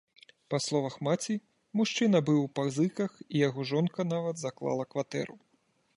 Па словах маці, мужчына быў у пазыках і яго жонка нават заклала кватэру.